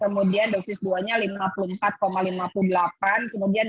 tentangntehan mas kitre